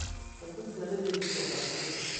ฉันพึ่งเคยได้ยินเกี่ยวกับคุณ